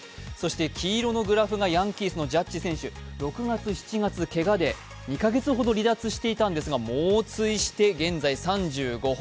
黄色のグラフがヤンキースのジャッジ選手、６月、７月けがで離脱していたんですが、猛追して現在３５本。